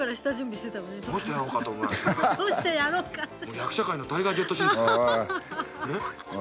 役者界のタイガー・ジェット・シンですから。